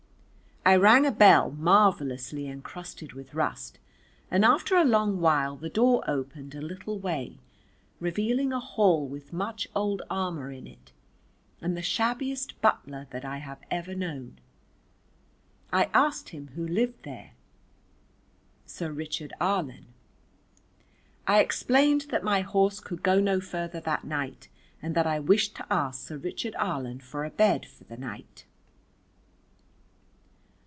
I rang a bell marvellously encrusted with rust, and after a long while the door opened a little way revealing a hall with much old armour in it and the shabbiest butler that I have ever known. I asked him who lived there. Sir Richard Arlen. I explained that my horse could go no further that night and that I wished to ask Sir Richard Arlen for a bed for the night.